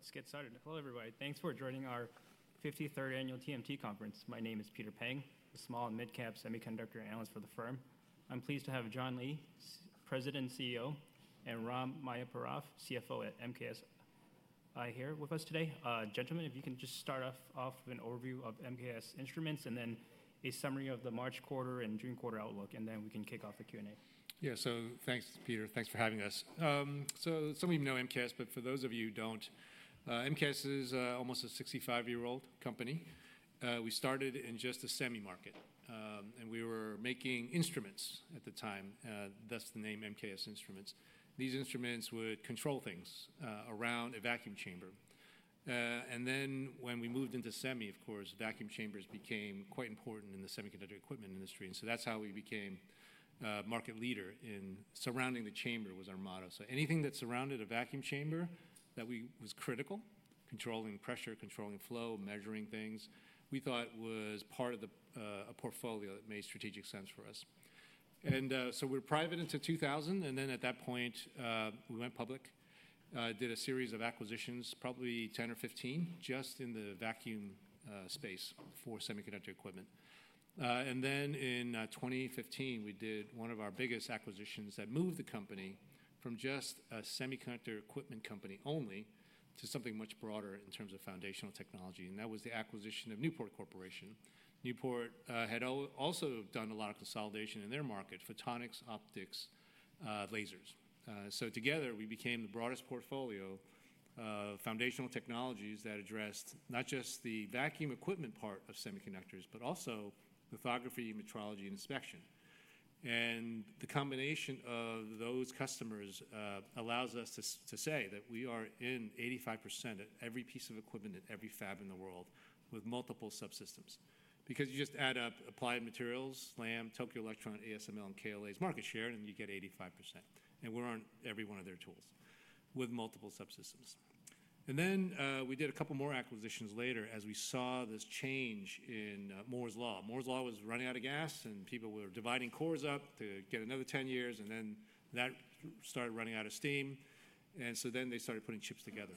Let's get started. Hello, everybody. Thanks for joining our 53rd Annual TMT Conference. My name is Peter Peng, Small- and Mid-Cap Semiconductor Analyst for the firm. I'm pleased to have John Lee, President and CEO, and Ram Mayampurath, CFO at MKS, here with us today. Gentlemen, if you can just start off with an overview of MKS Instruments and then a summary of the March quarter and June quarter outlook, and then we can kick off the Q&A. Yeah, so thanks, Peter. Thanks for having us. Some of you know MKS, but for those of you who don't, MKS is almost a 65-year-old company. We started in just a semi market, and we were making instruments at the time. That's the name MKS Instruments. These instruments would control things around a vacuum chamber. When we moved into semi, of course, vacuum chambers became quite important in the semiconductor equipment industry. That is how we became a market leader in surrounding the chamber was our motto. Anything that surrounded a vacuum chamber that was critical, controlling pressure, controlling flow, measuring things, we thought was part of a portfolio that made strategic sense for us. We were private until 2000, and then at that point, we went public, did a series of acquisitions, probably 10 or 15, just in the vacuum space for semiconductor equipment. In 2015, we did one of our biggest acquisitions that moved the company from just a semiconductor equipment company only to something much broader in terms of foundational technology. That was the acquisition of Newport Corporation. Newport had also done a lot of consolidation in their market, photonics, optics, lasers. Together, we became the broadest portfolio of foundational technologies that addressed not just the vacuum equipment part of semiconductors, but also lithography, metrology, and inspection. The combination of those customers allows us to say that we are in 85% at every piece of equipment at every fab in the world with multiple subsystems. Because you just add up Applied Materials, LAM, Tokyo Electron, ASML, and KLA's market share, and you get 85%. We're on every one of their tools with multiple subsystems. We did a couple more acquisitions later as we saw this change in Moore's Law. Moore's Law was running out of gas, and people were dividing cores up to get another 10 years, and then that started running out of steam. They started putting chips together.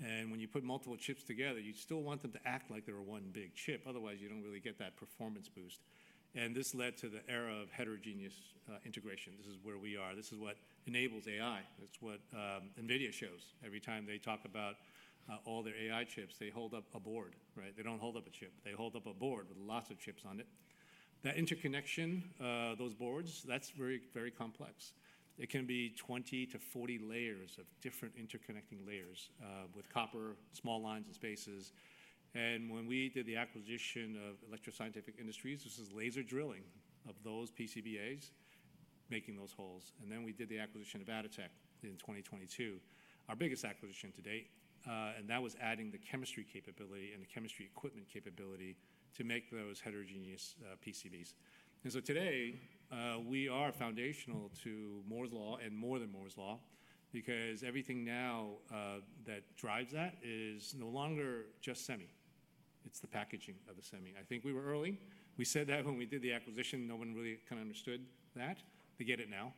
When you put multiple chips together, you still want them to act like they're one big chip. Otherwise, you don't really get that performance boost. This led to the era of heterogeneous integration. This is where we are. This is what enables AI. It's what NVIDIA shows. Every time they talk about all their AI chips, they hold up a board, right? They do not hold up a chip. They hold up a board with lots of chips on it. That interconnection, those boards, that is very, very complex. It can be 20-40 layers of different interconnecting layers with copper, small lines and spaces. When we did the acquisition of Electro Scientific Industries, this is laser drilling of those PCBAs, making those holes. We did the acquisition of Atotech in 2022, our biggest acquisition to date. That was adding the chemistry capability and the chemistry equipment capability to make those heterogeneous PCBs. Today, we are foundational to Moore's Law and more than Moore's Law, because everything now that drives that is no longer just semi. It is the packaging of the semi. I think we were early. We said that when we did the acquisition. No one really kind of understood that. They get it now.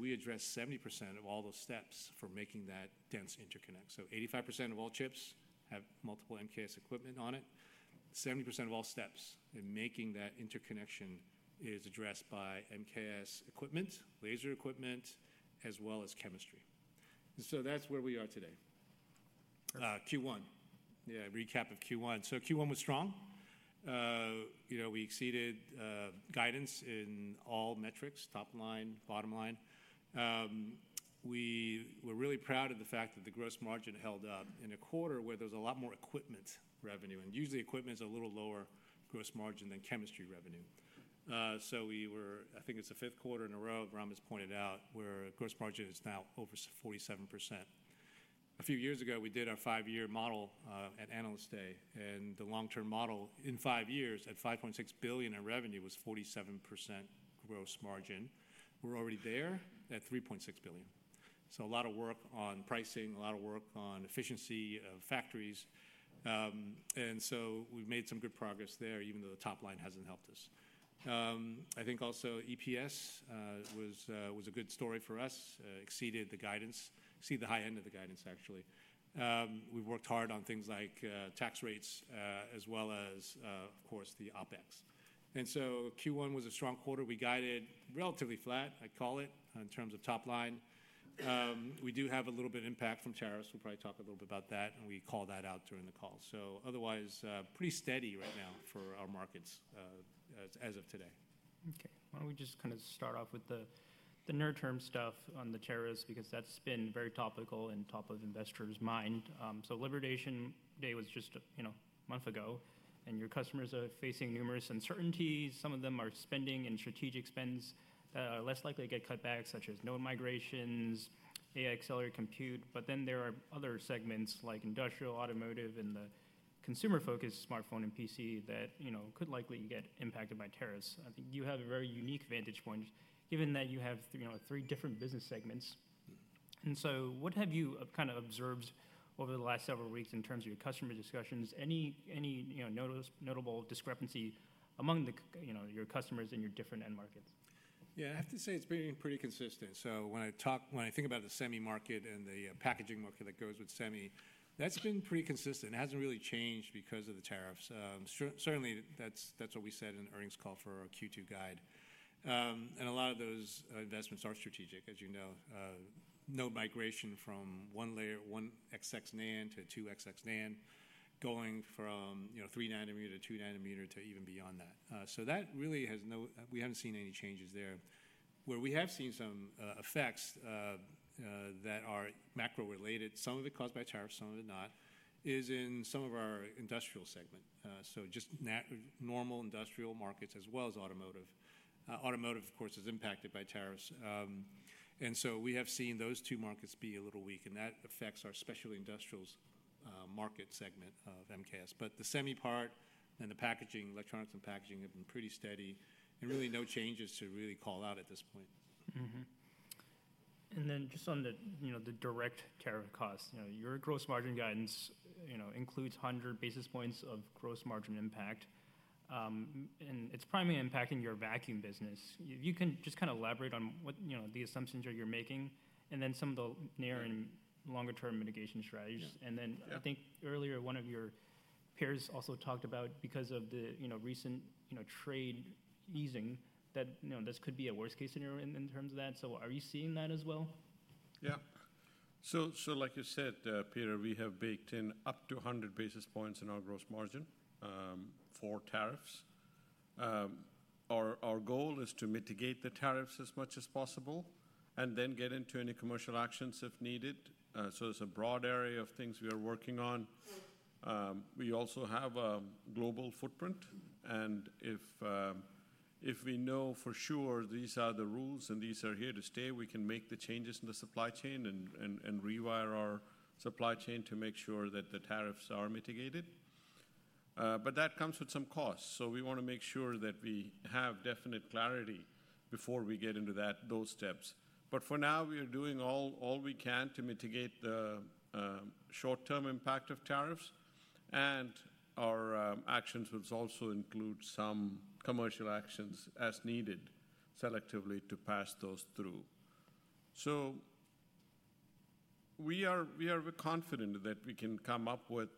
We address 70% of all those steps for making that dense interconnect. 85% of all chips have multiple MKS equipment on it. 70% of all steps in making that interconnection is addressed by MKS equipment, laser equipment, as well as chemistry. That is where we are today. Q1. Yeah, recap of Q1. Q1 was strong. We exceeded guidance in all metrics, top line, bottom line. We were really proud of the fact that the gross margin held up in a quarter where there was a lot more equipment revenue. Usually, equipment is a little lower gross margin than chemistry revenue. I think it is the fifth quarter in a row, Ram has pointed out, where gross margin is now over 47%. A few years ago, we did our five-year model at Analyst Day, and the long-term model in five years at $5.6 billion in revenue was 47% gross margin. We're already there at $3.6 billion. A lot of work on pricing, a lot of work on efficiency of factories. We have made some good progress there, even though the top line has not helped us. I think also EPS was a good story for us, exceeded the guidance, exceeded the high end of the guidance, actually. We have worked hard on things like tax rates, as well as, of course, the OpEx. Q1 was a strong quarter. We guided relatively flat, I would call it, in terms of top line. We do have a little bit of impact from tariffs. We will probably talk a little bit about that, and we called that out during the call. Otherwise, pretty steady right now for our markets as of today. Okay. Why do not we just kind of start off with the near-term stuff on the tariffs, because that has been very topical and top of investors' mind. Liberation Day was just a month ago, and your customers are facing numerous uncertainties. Some of them are spending and strategic spends that are less likely to get cut back, such as node migrations, AI accelerated compute. There are other segments like industrial, automotive, and the consumer-focused smartphone and PC that could likely get impacted by tariffs. I think you have a very unique vantage point, given that you have three different business segments. What have you kind of observed over the last several weeks in terms of your customer discussions? Any notable discrepancy among your customers in your different end markets? Yeah, I have to say it's been pretty consistent. When I think about the semi market and the packaging market that goes with semi, that's been pretty consistent. It hasn't really changed because of the tariffs. Certainly, that's what we said in the earnings call for our Q2 guide. A lot of those investments are strategic, as you know. Node migration from one xx NAND to two xx NAND, going from three nanometer to two nanometer to even beyond that. That really has no--we haven't seen any changes there. Where we have seen some effects that are macro-related, some of it caused by tariffs, some of it not, is in some of our industrial segment. Just normal industrial markets, as well as automotive. Automotive, of course, is impacted by tariffs. We have seen those two markets be a little weak, and that affects our specialty industrials market segment of MKS. The semi part and the packaging, electronics and packaging have been pretty steady, and really no changes to really call out at this point. Just on the direct tariff costs, your gross margin guidance includes 100 basis points of gross margin impact, and it is primarily impacting your vacuum business. If you can just kind of elaborate on what the assumptions are you are making, and then some of the near and longer-term mitigation strategies. I think earlier one of your peers also talked about, because of the recent trade easing, that this could be a worst-case scenario in terms of that. Are you seeing that as well? Yeah. Like you said, Peter, we have baked in up to 100 basis points in our gross margin for tariffs. Our goal is to mitigate the tariffs as much as possible and then get into any commercial actions if needed. It is a broad area of things we are working on. We also have a global footprint, and if we know for sure these are the rules and these are here to stay, we can make the changes in the supply chain and rewire our supply chain to make sure that the tariffs are mitigated. That comes with some costs. We want to make sure that we have definite clarity before we get into those steps. For now, we are doing all we can to mitigate the short-term impact of tariffs, and our actions will also include some commercial actions as needed selectively to pass those through. We are confident that we can come up with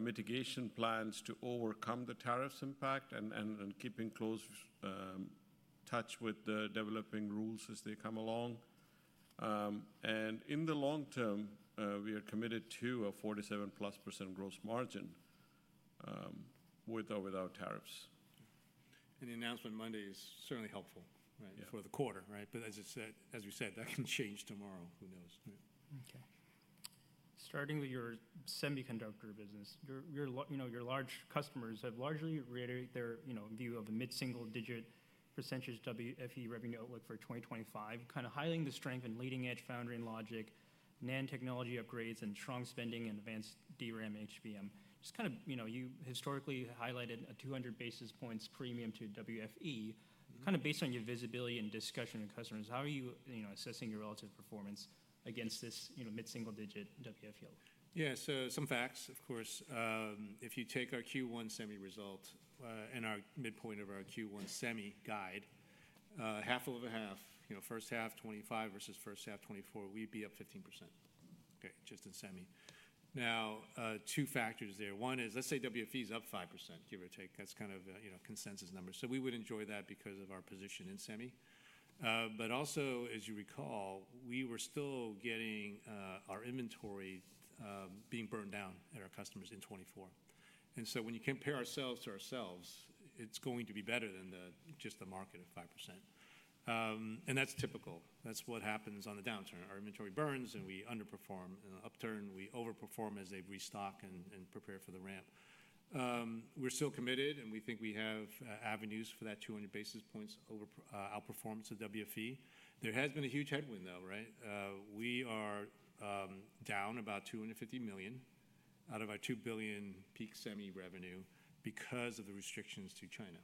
mitigation plans to overcome the tariffs impact and keep in close touch with the developing rules as they come along. In the long term, we are committed to a 47%+ gross margin with or without tariffs. The announcement Monday is certainly helpful for the quarter, right? As you said, that can change tomorrow. Who knows? Okay. Starting with your semiconductor business, your large customers have largely reiterated their view of a mid-single-digit percentage WFE revenue outlook for 2025, kind of highlighting the strength in leading-edge foundry and logic, NAND technology upgrades, and strong spending in advanced DRAM HBM. Just kind of you historically highlighted a 200 basis points premium to WFE. Kind of based on your visibility and discussion with customers, how are you assessing your relative performance against this mid-single-digit WFE outlook? Yeah, so some facts, of course. If you take our Q1 semi result and our midpoint of our Q1 semi guide, half over half, first half 2025 versus first half 2024, we'd be up 15%, okay, just in semi. Now, two factors there. One is, let's say WFE is up 5%, give or take. That's kind of a consensus number. We would enjoy that because of our position in semi. Also, as you recall, we were still getting our inventory being burned down at our customers in 2024. When you compare ourselves to ourselves, it's going to be better than just the market at 5%. That's typical. That is what happens on the downturn. Our inventory burns, and we underperform. On the upturn, we overperform as they restock and prepare for the ramp. We're still committed, and we think we have avenues for that 200 basis points outperformance of WFE. There has been a huge headwind, right? We are down about $250 million out of our $2 billion peak semi revenue because of the restrictions to China.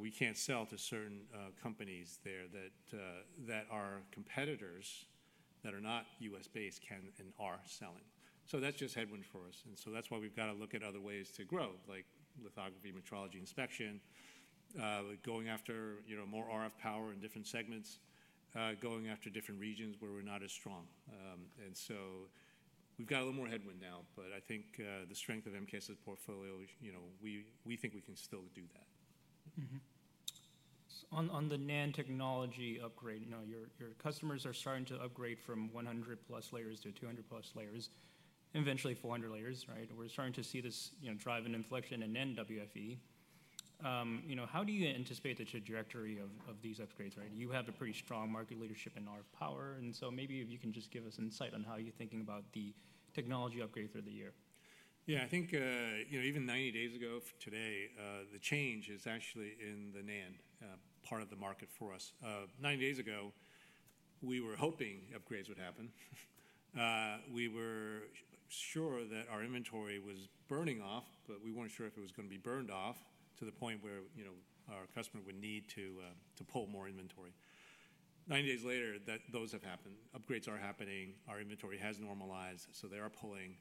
We can't sell to certain companies there that our competitors that are not U.S.-based can and are selling. That's just headwind for us. That's why we've got to look at other ways to grow, like lithography, metrology, inspection, going after more RF power in different segments, going after different regions where we're not as strong. We've got a little more headwind now, but I think the strength of MKS's portfolio, we think we can still do that. On the NAND technology upgrade, your customers are starting to upgrade from 100-plus layers to 200-plus layers, eventually 400 layers, right? We're starting to see this drive in inflection in NAND WFE. How do you anticipate the trajectory of these upgrades, right? You have a pretty strong market leadership in RF power. Maybe if you can just give us insight on how you're thinking about the technology upgrade through the year. Yeah, I think even 90 days ago today, the change is actually in the NAND part of the market for us. Nine days ago, we were hoping upgrades would happen. We were sure that our inventory was burning off, but we were not sure if it was going to be burned off to the point where our customer would need to pull more inventory. 90 days later, those have happened. Upgrades are happening. Our inventory has normalized, so they are pulling.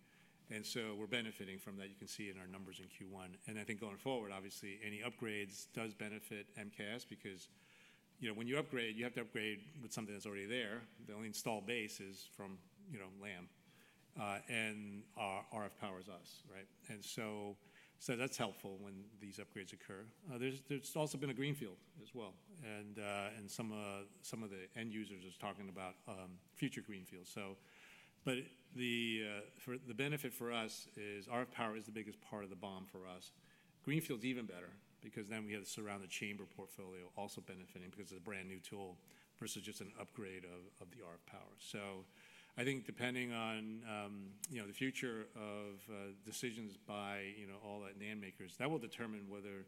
We are benefiting from that. You can see in our numbers in Q1. I think going forward, obviously, any upgrades do benefit MKS because when you upgrade, you have to upgrade with something that is already there. The only installed base is from LAM, and RF power is us, right? That is helpful when these upgrades occur. There has also been a greenfield as well. Some of the end users are talking about future greenfields. The benefit for us is RF power is the biggest part of the bomb for us. Greenfield's even better because then we have the surrounding chamber portfolio also benefiting because it's a brand new tool versus just an upgrade of the RF power. I think depending on the future of decisions by all the NAND makers, that will determine whether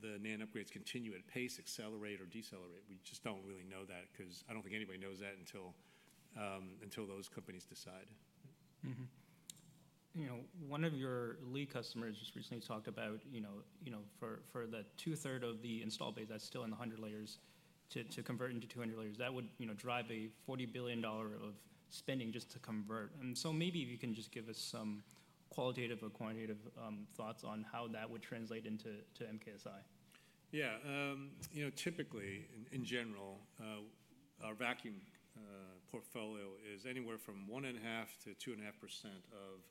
the NAND upgrades continue at pace, accelerate, or decelerate. We just do not really know that because I do not think anybody knows that until those companies decide. One of your lead customers just recently talked about for the two-thirds of the installed base that's still in the 100 layers to convert into 200 layers, that would drive a $40 billion of spending just to convert. Maybe you can just give us some qualitative or quantitative thoughts on how that would translate into MKSI. Yeah. Typically, in general, our vacuum portfolio is anywhere from 1.5%-2.5% of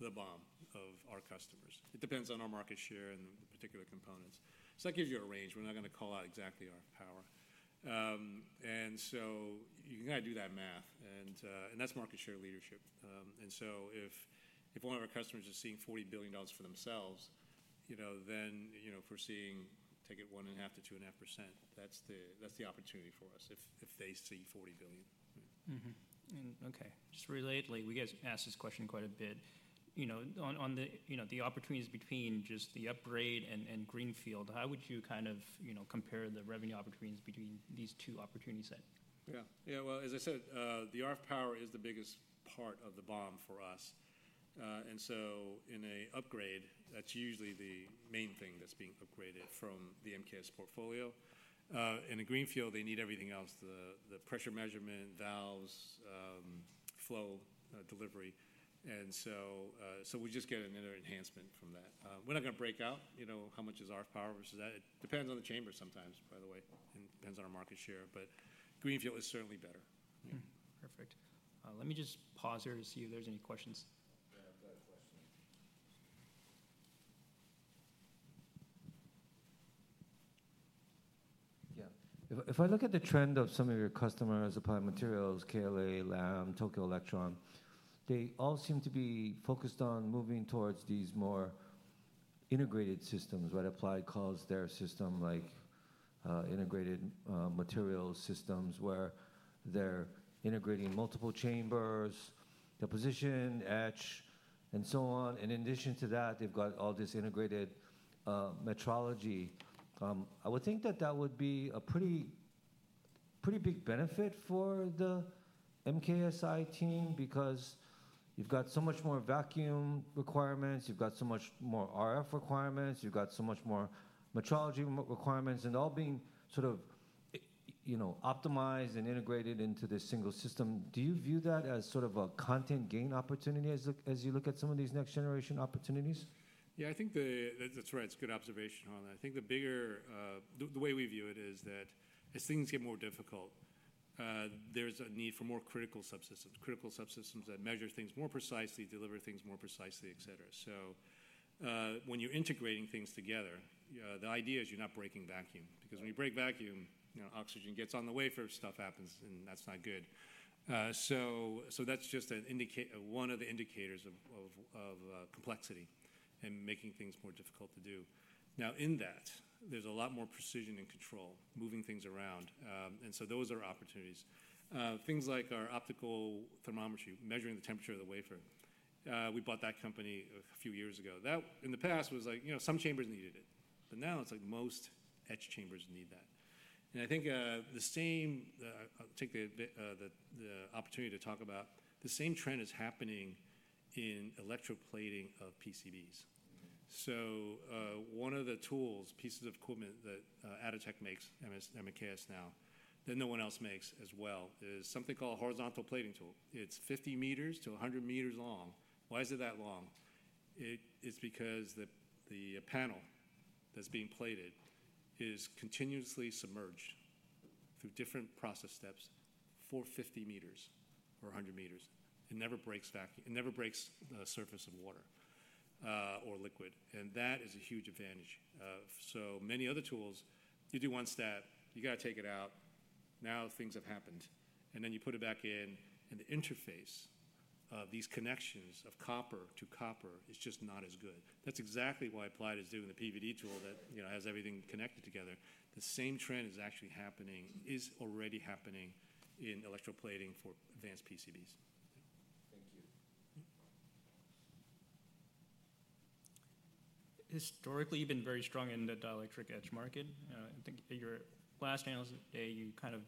the BOM of our customers. It depends on our market share and the particular components. That gives you a range. We're not going to call out exactly RF power. You can kind of do that math, and that's market share leadership. If one of our customers is seeing $40 billion for themselves, then if we're seeing, take it 1.5%-2.5%, that's the opportunity for us if they see $40 billion. Okay. Just relatedly, we get asked this question quite a bit. On the opportunities between just the upgrade and greenfield, how would you kind of compare the revenue opportunities between these two opportunity sets? Yeah. Yeah. As I said, the RF power is the biggest part of the BOM for us. In an upgrade, that's usually the main thing that's being upgraded from the MKS portfolio. In a greenfield, they need everything else: the pressure measurement, valves, flow delivery. We just get another enhancement from that. We're not going to break out how much is RF power versus that. It depends on the chamber sometimes, by the way, and depends on our market share. Greenfield is certainly better. Perfect. Let me just pause here to see if there's any questions. Yeah. If I look at the trend of some of your customers: Applied Materials, KLA, LAM, Tokyo Electron, they all seem to be focused on moving towards these more integrated systems, right? Applied calls their system like integrated material systems where they're integrating multiple chambers, the position, etch, and so on. In addition to that, they've got all this integrated metrology. I would think that that would be a pretty big benefit for the MKSI team because you've got so much more vacuum requirements, you've got so much more RF requirements, you've got so much more metrology requirements, and all being sort of optimized and integrated into this single system. Do you view that as sort of a content gain opportunity as you look at some of these next-generation opportunities? Yeah, I think that's right. It's a good observation. I think the bigger way we view it is that as things get more difficult, there's a need for more critical subsystems, critical subsystems that measure things more precisely, deliver things more precisely, et cetera. When you're integrating things together, the idea is you're not breaking vacuum because when you break vacuum, oxygen gets on the wafer, stuff happens, and that's not good. That's just one of the indicators of complexity and making things more difficult to do. In that, there's a lot more precision and control, moving things around. Those are opportunities. Things like our optical thermometry, measuring the temperature of the wafer. We bought that company a few years ago. In the past, it was like some chambers needed it. Now it's like most etch chambers need that. I think the same, I'll take the opportunity to talk about, the same trend is happening in electroplating of PCBs. One of the tools, pieces of equipment that Atotech makes, MKS now, that no one else makes as well, is something called a horizontal plating tool. It's 50 meters-100 meters long. Why is it that long? It's because the panel that's being plated is continuously submerged through different process steps for 50 meters or 100 meters. It never breaks the surface of water or liquid. That is a huge advantage. Many other tools, you do one step, you got to take it out. Now things have happened. Then you put it back in. The interface of these connections of copper to copper is just not as good. That's exactly why Applied is doing the PVD tool that has everything connected together. The same trend is actually happening, is already happening in electroplating for advanced PCBs. Thank you. Historically, you've been very strong in the dielectric etch market. I think in your last analysis today, you kind of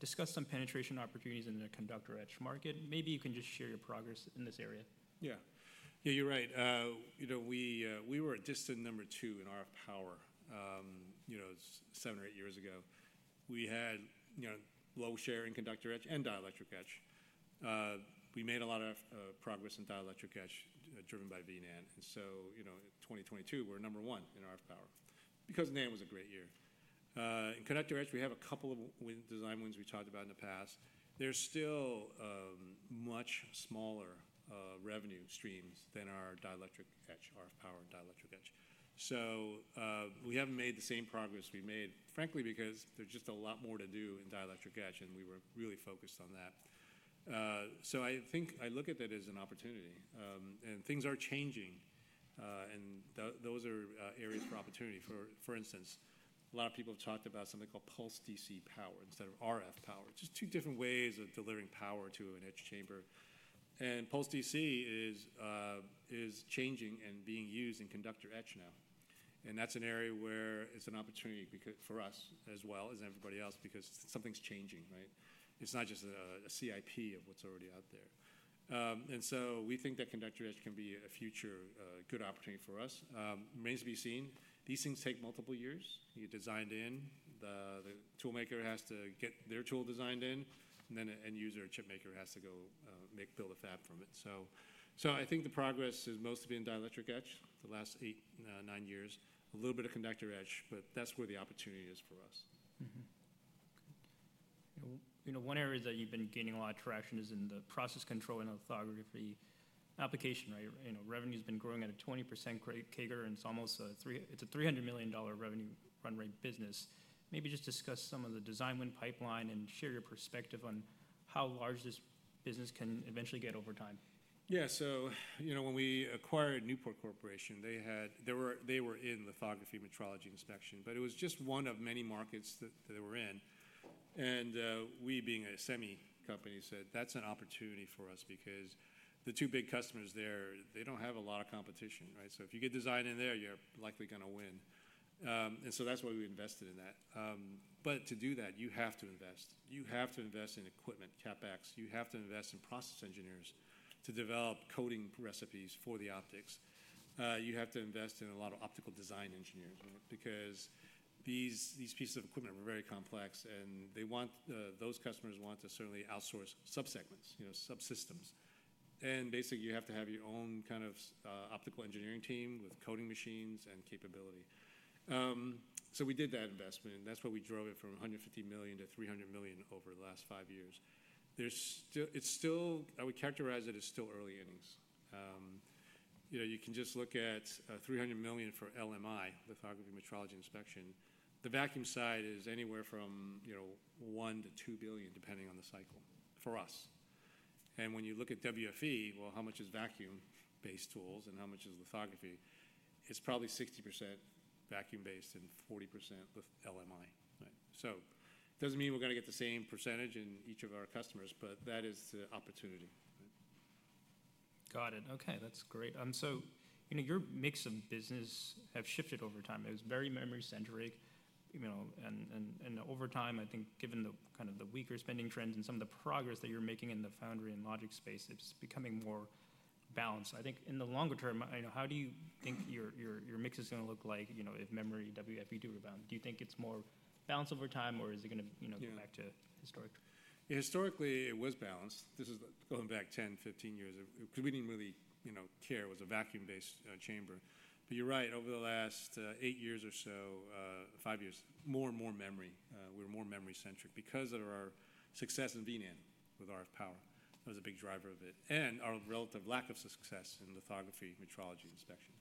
discussed some penetration opportunities in the conductor etch market. Maybe you can just share your progress in this area. Yeah. Yeah, you're right. We were distant number two in RF power seven or eight years ago. We had low share in conductor etch and dielectric etch. We made a lot of progress in dielectric etch driven by V-NAND. And so in 2022, we're number one in RF power because NAND was a great year. In conductor etch, we have a couple of design wins we talked about in the past. There's still much smaller revenue streams than our dielectric etch, RF power and dielectric etch. We haven't made the same progress we made, frankly, because there's just a lot more to do in dielectric etch, and we were really focused on that. I think I look at it as an opportunity. Things are changing. Those are areas for opportunity. For instance, a lot of people have talked about something called pulse DC power instead of RF power. It's just two different ways of delivering power to an etch chamber. Pulse DC is changing and being used in conductor etch now. That's an area where it's an opportunity for us as well as everybody else because something's changing, right? It's not just a CIP of what's already out there. We think that conductor etch can be a future good opportunity for us. Remains to be seen. These things take multiple years. You design in. The toolmaker has to get their tool designed in. The end user, chip maker, has to go build a fab from it. I think the progress has mostly been dielectric etch the last eight, nine years, a little bit of conductor etch, but that's where the opportunity is for us. One area that you've been gaining a lot of traction is in the process control and lithography application, right? Revenue has been growing at a 20% CAGR, and it's almost a $300 million revenue run rate business. Maybe just discuss some of the design win pipeline and share your perspective on how large this business can eventually get over time. Yeah. So when we acquired Newport Corporation, they were in lithography, metrology, inspection, but it was just one of many markets that they were in. We, being a semi company, said, "That's an opportunity for us because the two big customers there, they do not have a lot of competition, right? If you get designed in there, you're likely going to win." That is why we invested in that. To do that, you have to invest. You have to invest in equipment, CapEx. You have to invest in process engineers to develop coating recipes for the optics. You have to invest in a lot of optical design engineers, right? These pieces of equipment were very complex, and those customers want to certainly outsource subsegments, subsystems. Basically, you have to have your own kind of optical engineering team with coating machines and capability. We did that investment. That's why we drove it from $150 million to $300 million over the last five years. I would characterize it as still early earnings. You can just look at $300 million for LMI, lithography, metrology, inspection. The vacuum side is anywhere from $1 billion-$2 billion, depending on the cycle, for us. When you look at WFE, how much is vacuum-based tools and how much is lithography? It's probably 60% vacuum-based and 40% LMI, right? It does not mean we're going to get the same percentage in each of our customers, but that is the opportunity. Got it. Okay. That's great. Your mix of business has shifted over time. It was very memory-centric. Over time, I think given the kind of weaker spending trends and some of the progress that you're making in the foundry and logic space, it's becoming more balanced. I think in the longer term, how do you think your mix is going to look like if memory WFE do rebound? Do you think it's more balanced over time, or is it going to go back to historic? Historically, it was balanced. This is going back 10, 15 years because we did not really care it was a vacuum-based chamber. You are right, over the last eight years or so, five years, more and more memory. We were more memory-centric because of our success in V-NAND with RF power. That was a big driver of it. Our relative lack of success in lithography, metrology, inspection.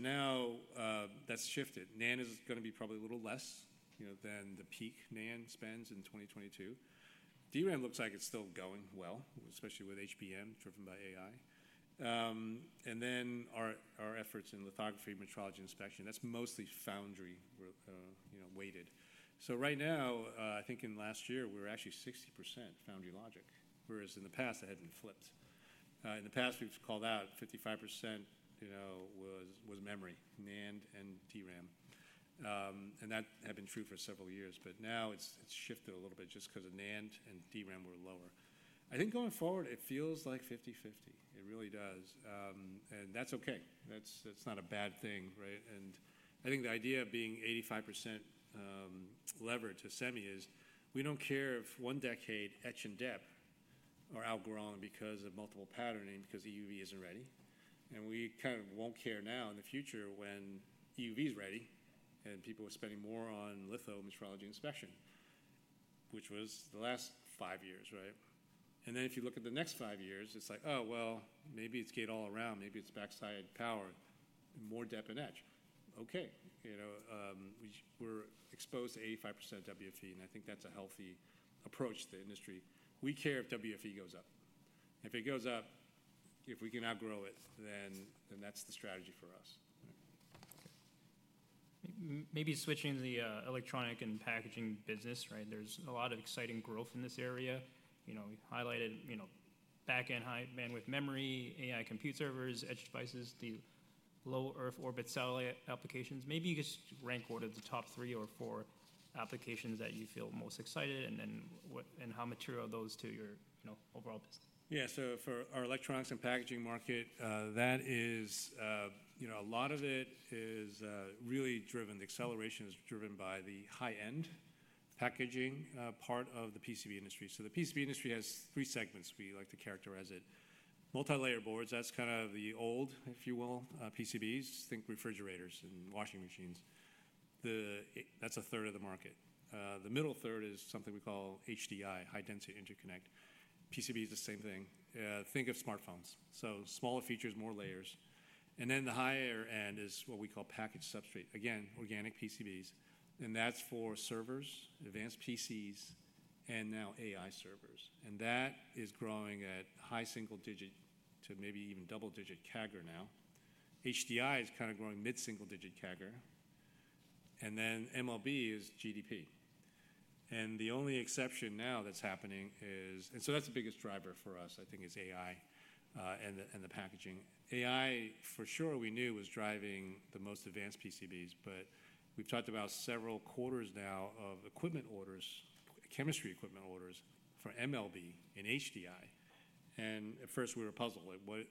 Now that has shifted. NAND is going to be probably a little less than the peak NAND spends in 2022. DRAM looks like it is still going well, especially with HBM driven by AI. Our efforts in lithography, metrology, inspection, that is mostly foundry-weighted. Right now, I think in last year, we were actually 60% foundry logic, whereas in the past, it had not flipped. In the past, we have called out 55% was memory, NAND and DRAM. That had been true for several years. Now it's shifted a little bit just because NAND and DRAM were lower. I think going forward, it feels like 50/50. It really does. That's okay. That's not a bad thing, right? I think the idea of being 85% levered to semi is we don't care if one decade etch and depth are outgrown because of multiple patterning, because EUV isn't ready. We kind of won't care now in the future when EUV is ready and people are spending more on lithometrology inspection, which was the last five years, right? If you look at the next five years, it's like, "Oh, maybe it's gate all around. Maybe it's backside power, more depth and etch." Okay. We're exposed to 85% WFE, and I think that's a healthy approach to the industry. We care if WFE goes up. If it goes up, if we can outgrow it, then that's the strategy for us. Maybe switching to the electronic and packaging business, right? There's a lot of exciting growth in this area. We highlighted back-end high bandwidth memory, AI compute servers, edge devices, the low Earth orbit satellite applications. Maybe you could just rank order the top three or four applications that you feel most excited and how material are those to your overall business? Yeah. For our electronics and packaging market, a lot of it is really driven. The acceleration is driven by the high-end packaging part of the PCB industry. The PCB industry has three segments, we like to characterize it. Multi-layer boards, that is kind of the old, if you will, PCBs. Think refrigerators and washing machines. That is a third of the market. The middle third is something we call HDI, high-density interconnect. PCB is the same thing. Think of smartphones. Smaller features, more layers. The higher end is what we call package substrate. Again, organic PCBs. That is for servers, advanced PCs, and now AI servers. That is growing at high single-digit to maybe even double-digit CAGR now. HDI is kind of growing mid-single-digit CAGR. MLB is GDP. The only exception now that's happening is, and so that's the biggest driver for us, I think, is AI and the packaging. AI, for sure, we knew was driving the most advanced PCBs, but we've talked about several quarters now of equipment orders, chemistry equipment orders for MLB and HDI. At first, we were puzzled. We're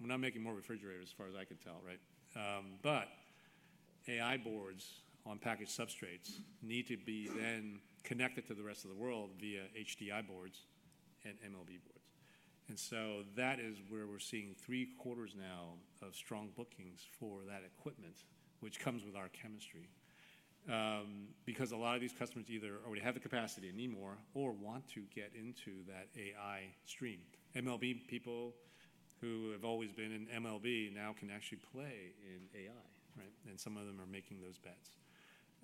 not making more refrigerators, as far as I can tell, right? AI boards on package substrates need to be then connected to the rest of the world via HDI boards and MLB boards. That is where we're seeing three quarters now of strong bookings for that equipment, which comes with our chemistry. A lot of these customers either already have the capacity and need more or want to get into that AI stream. MLB people who have always been in MLB now can actually play in AI, right? Some of them are making those bets.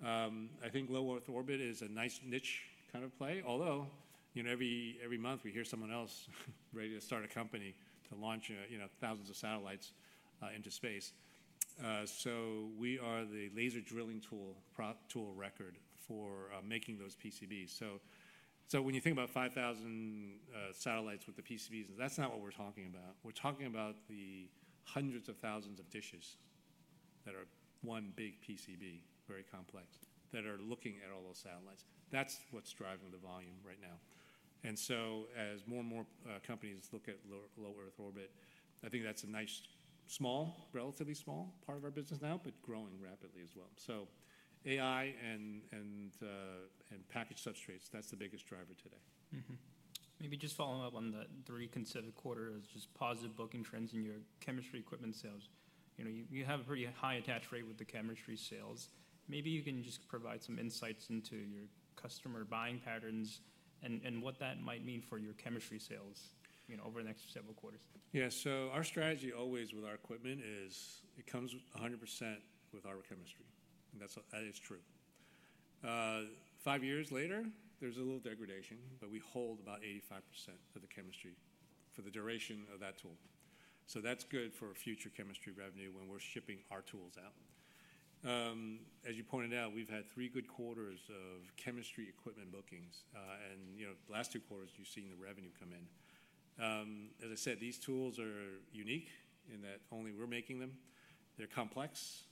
I think low Earth orbit is a nice niche kind of play. Although every month we hear someone else ready to start a company to launch thousands of satellites into space. We are the laser drilling tool record for making those PCBs. When you think about 5,000 satellites with the PCBs, that's not what we're talking about. We're talking about the hundreds of thousands of dishes that are one big PCB, very complex, that are looking at all those satellites. That's what's driving the volume right now. As more and more companies look at low Earth orbit, I think that's a nice, relatively small part of our business now, but growing rapidly as well. AI and package substrates, that's the biggest driver today. Maybe just following up on the three consecutive quarters is just positive booking trends in your chemistry equipment sales. You have a pretty high attach rate with the chemistry sales. Maybe you can just provide some insights into your customer buying patterns and what that might mean for your chemistry sales over the next several quarters. Yeah. Our strategy always with our equipment is it comes 100% with our chemistry. That is true. Five years later, there's a little degradation, but we hold about 85% for the chemistry for the duration of that tool. That's good for future chemistry revenue when we're shipping our tools out. As you pointed out, we've had three good quarters of chemistry equipment bookings. The last two quarters, you've seen the revenue come in. As I said, these tools are unique in that only we're making them. They're complex.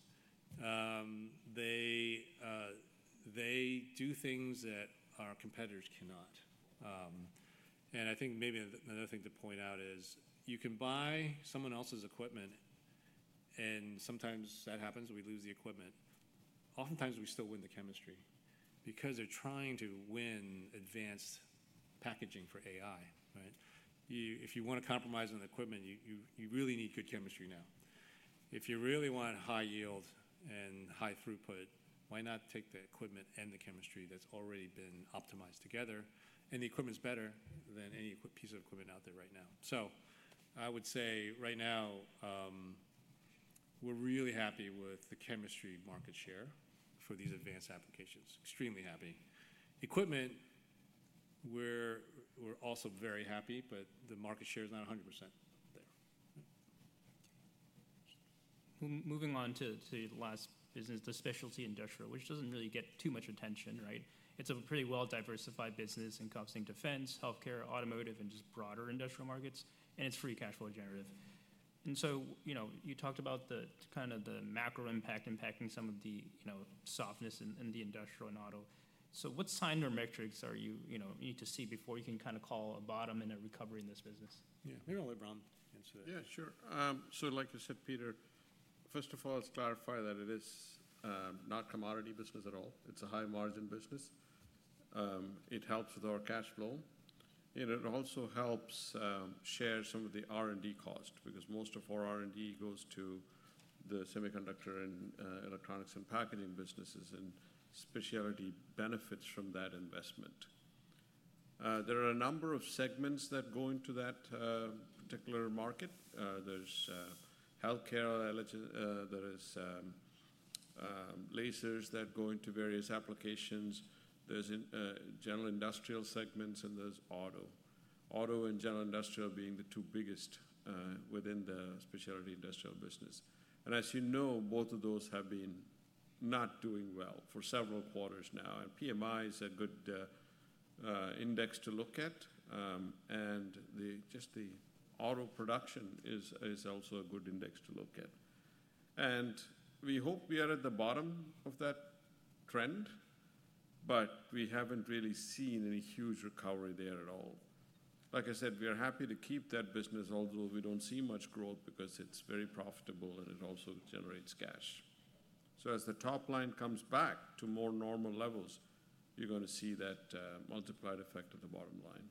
They do things that our competitors cannot. I think maybe another thing to point out is you can buy someone else's equipment, and sometimes that happens. We lose the equipment. Oftentimes, we still win the chemistry because they're trying to win advanced packaging for AI, right? If you want to compromise on the equipment, you really need good chemistry now. If you really want high yield and high throughput, why not take the equipment and the chemistry that's already been optimized together? The equipment's better than any piece of equipment out there right now. I would say right now, we're really happy with the chemistry market share for these advanced applications. Extremely happy. Equipment, we're also very happy, but the market share is not 100% there. Moving on to the last business, the specialty industrial, which doesn't really get too much attention, right? It's a pretty well-diversified business encompassing defense, healthcare, automotive, and just broader industrial markets. It's free cash flow generative. You talked about kind of the macro impact impacting some of the softness in the industrial and auto. What signs or metrics are you need to see before you can kind of call a bottom and a recovery in this business? Yeah. Maybe I'll let Ram answaer that. Yeah, sure. Like I said, Peter, first of all, let's clarify that it is not a commodity business at all. It is a high-margin business. It helps with our cash flow. It also helps share some of the R&D cost because most of our R&D goes to the semiconductor and electronics and packaging businesses, and specialty benefits from that investment. There are a number of segments that go into that particular market. There is healthcare. There are lasers that go into various applications. There are general industrial segments, and there is auto. Auto and general industrial being the two biggest within the specialty industrial business. As you know, both of those have been not doing well for several quarters now. PMI is a good index to look at. Just the auto production is also a good index to look at. We hope we are at the bottom of that trend, but we have not really seen any huge recovery there at all. Like I said, we are happy to keep that business, although we do not see much growth because it is very profitable and it also generates cash. As the top line comes back to more normal levels, you are going to see that multiplied effect of the bottom line.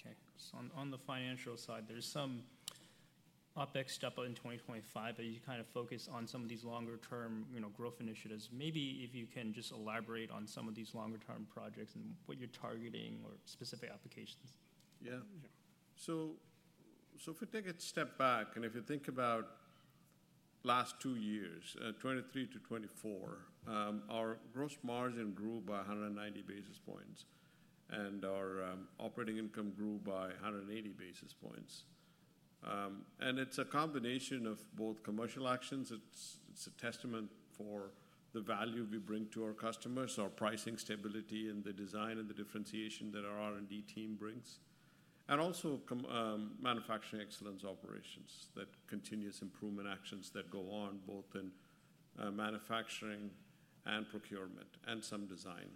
Okay. So on the financial side, there's some OpEx step up in 2025, but you kind of focus on some of these longer-term growth initiatives. Maybe if you can just elaborate on some of these longer-term projects and what you're targeting or specific applications. Yeah. If we take a step back and if you think about the last two years, 2023-2024, our gross margin grew by 190 basis points and our operating income grew by 180 basis points. It is a combination of both commercial actions. It is a testament for the value we bring to our customers, our pricing stability, and the design and the differentiation that our R&D team brings. Also, manufacturing excellence operations, that continuous improvement actions that go on both in manufacturing and procurement and some design.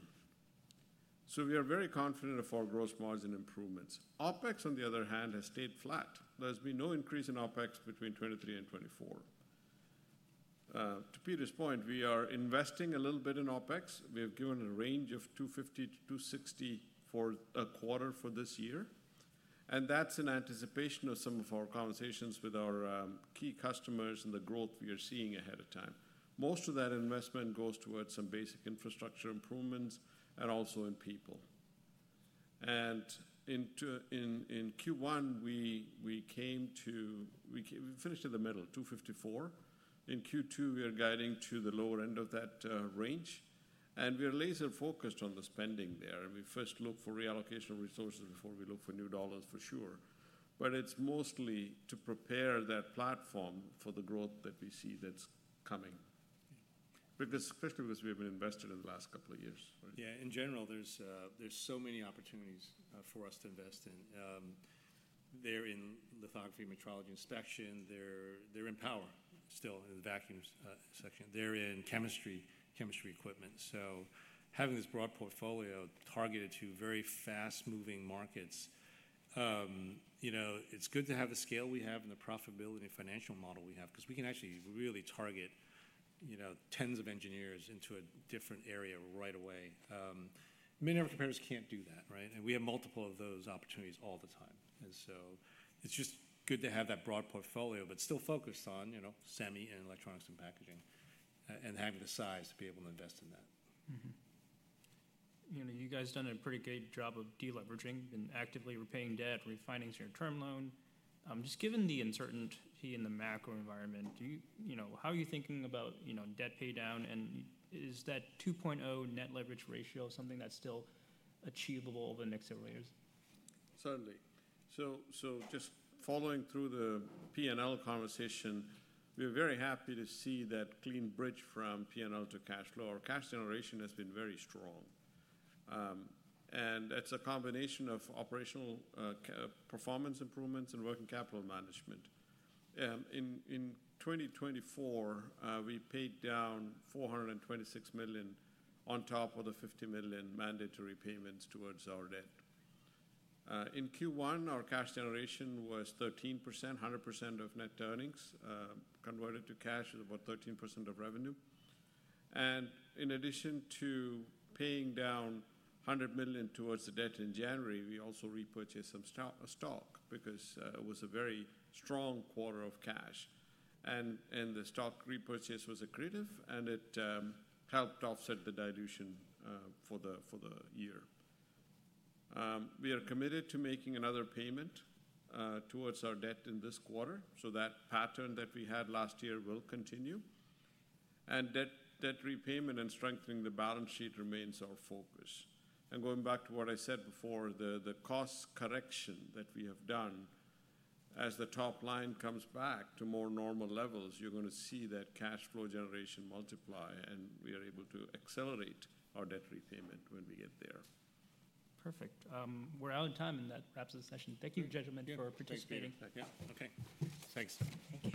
We are very confident of our gross margin improvements. OpEx, on the other hand, has stayed flat. There has been no increase in OpEx between 2023 and 2024. To Peter's point, we are investing a little bit in OpEx. We have given a range of $250 million-$260 million for a quarter for this year. That is in anticipation of some of our conversations with our key customers and the growth we are seeing ahead of time. Most of that investment goes towards some basic infrastructure improvements and also in people. In Q1, we finished in the middle, $254 million. In Q2, we are guiding to the lower end of that range. We are laser-focused on the spending there. We first look for reallocation of resources before we look for new dollars, for sure. It is mostly to prepare that platform for the growth that we see that is coming, especially because we have been invested in the last couple of years. Yeah. In general, there's so many opportunities for us to invest in. They're in lithography, metrology, inspection. They're in power still in the vacuum section. They're in chemistry, chemistry equipment. Having this broad portfolio targeted to very fast-moving markets, it's good to have the scale we have and the profitability and financial model we have because we can actually really target tens of engineers into a different area right away. Many of our competitors can't do that, right? We have multiple of those opportunities all the time. It's just good to have that broad portfolio, but still focused on semi and electronics and packaging and having the size to be able to invest in that. You guys have done a pretty good job of deleveraging and actively repaying debt, refinancing your term loan. Just given the uncertainty in the macro environment, how are you thinking about debt paydown? Is that 2.0 net leverage ratio something that's still achievable over the next several years? Certainly. Just following through the P&L conversation, we are very happy to see that clean bridge from P&L to cash flow. Our cash generation has been very strong. It is a combination of operational performance improvements and working capital management. In 2024, we paid down $426 million on top of the $50 million mandatory payments towards our debt. In Q1, our cash generation was 13%, 100% of net earnings converted to cash is about 13% of revenue. In addition to paying down $100 million towards the debt in January, we also repurchased some stock because it was a very strong quarter of cash. The stock repurchase was accretive, and it helped offset the dilution for the year. We are committed to making another payment towards our debt in this quarter so that pattern that we had last year will continue. Debt repayment and strengthening the balance sheet remains our focus. Going back to what I said before, the cost correction that we have done, as the top line comes back to more normal levels, you are going to see that cash flow generation multiply, and we are able to accelerate our debt repayment when we get there. Perfect. We're out of time, and that wraps up the session. Thank you, gentlemen, for participating. Thank you. Okay. Thanks.